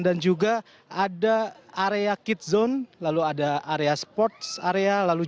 dan juga ada area kid zone lalu ada area sports area